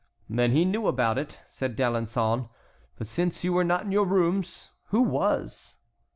"Then he knew about it," said D'Alençon. "But since you were not in your rooms, who was?"